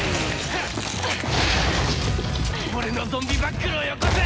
俺のゾンビバックルをよこせ！